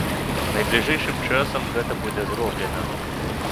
Найбліжэйшым часам гэта будзе зроблена.